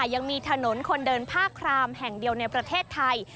ยังมีถนนคนเดินผ้าครามแห่งเดียวในประเทศไทย